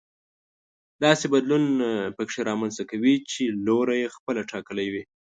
داسې بدلون پکې رامنځته کوي چې لوری يې خپله ټاکلی وي.